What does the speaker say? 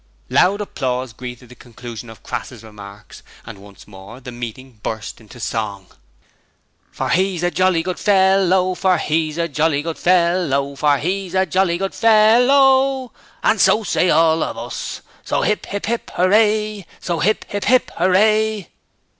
Loud applause greeted the conclusion of Crass's remarks, and once more the meeting burst into song: For he's a jolly good fellow For he's a jolly good fellow. For he's a jolly good fellow, And so say all of us. So 'ip, 'ip, 'ip, 'ooray! So 'ip, 'ip, 'ip, 'ooray!